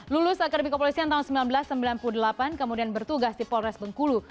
lulus akademi kepolisian tahun seribu sembilan ratus sembilan puluh delapan kemudian bertugas di polres bengkulu